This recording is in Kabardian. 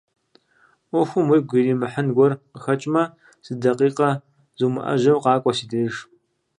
Ӏуэхум уигу иримыхьын гуэр къыхэкӏмэ, зы дакъикъэ зумыӀэжьэу къакӀуэ си деж.